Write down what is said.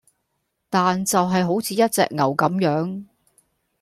但就係好似一隻牛咁樣